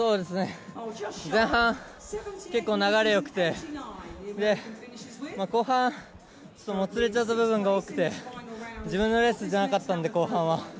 前半、結構流れよくて、後半もつれちゃった部分が多くて自分のレースじゃなかったんで、後半は。